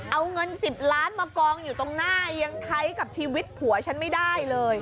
เอาเงิน๑๐ล้านมากองอยู่ตรงหน้ายังใช้กับชีวิตผัวฉันไม่ได้เลย